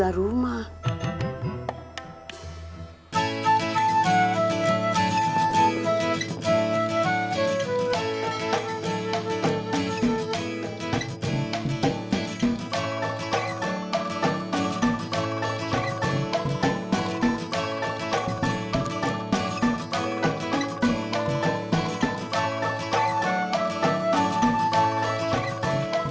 ya harus dijual rumah